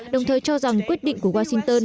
đồng thời cho rằng quyết định của washington